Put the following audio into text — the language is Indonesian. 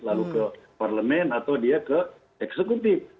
lalu ke parlemen atau dia ke eksekutif